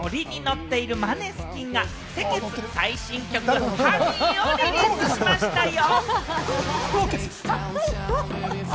ッているマネスキンが、先月、最新曲『ＨＯＮＥＹ』をリリースしましたよ。